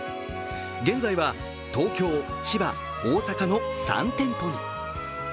現在は東京、千葉、大阪の３店舗に。